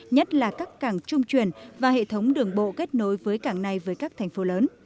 nhất là các cảng trung truyền và hệ thống đường bộ kết nối với cảng này với các thành phố lớn